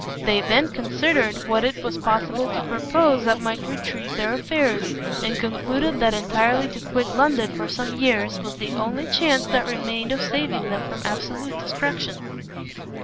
They then considered what it was possible to propose that might retrieve their affairs, and concluded that entirely to quit London for some years, was the only chance that remained of saving them from absolute destruction.